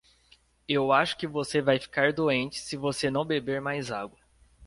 Eu acho que você vai ficar doente se você não beber mais água.